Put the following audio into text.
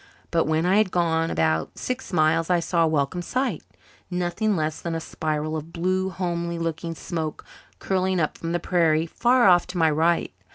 But when I had gone about six miles I saw a welcome sight nothing less than a spiral of blue, homely looking smoke curling up from the prairie far off to my right.